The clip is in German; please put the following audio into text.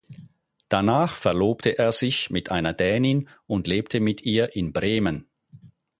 Danach verlobte er sich mit einer Dänin und lebte mit ihr in Bremen.